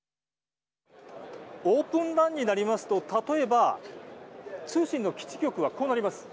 オープンＲＡＮになりますと例えば通信の基地局はこうなります。